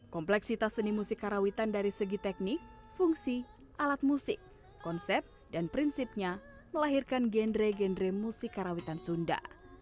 kompleksitas seni musik karawitan dari segi teknik fungsi alat musik konsep dan prinsipnya melahirkan genre genre musik karawitan sunda